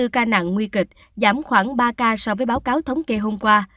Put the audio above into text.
tám trăm sáu mươi bốn ca nặng nguy kịch giảm khoảng ba ca so với báo cáo thống kê hôm qua